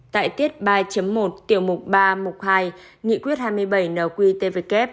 tại tiết ba một tiểu mục ba mục hai nghị quyết hai mươi bảy nqtvk